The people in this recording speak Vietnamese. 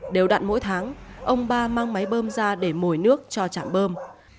đều đặn mỗi tháng ông ba mang máy bơm ra để mồi nước cho trạm bơm